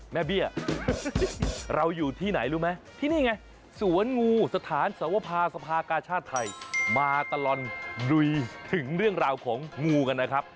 เบี้ยเราอยู่ที่ไหนรู้ไหมที่นี่ไงสวนงูสถานสวภาสภากาชาติไทยมาตลอดลุยถึงเรื่องราวของงูกันนะครับ